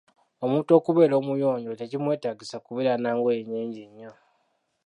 Omuntu okubeera omuyonjo tekimwetaagisa kubeera nangoye nnyingi nnyo.